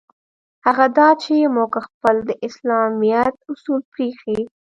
هغه دا چې موږ خپل د اسلامیت اصل پرېیښی.